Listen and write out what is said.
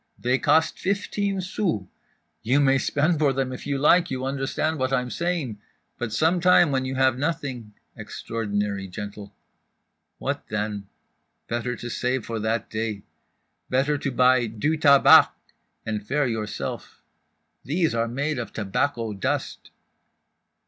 They cost fifteen sous, you may spend for them if you like, you understand what I'm saying? But some time when you have nothing" (extraordinary gently) "what then? Better to save for that day … better to buy du tabac and faire yourself; these are made of tobacco dust."